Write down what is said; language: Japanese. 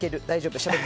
大丈夫。